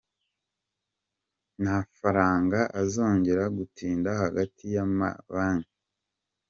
Nta mafaranga azongera gutinda hagati y’amabanki